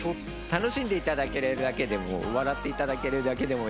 楽しんでいただけるだけでも笑っていただけるだけでも。